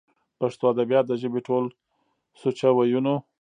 پښتو ادبيات د ژبې ټول سوچه وييونو